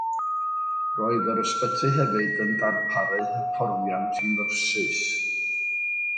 Roedd yr ysbyty hefyd yn darparu hyfforddiant i nyrsys.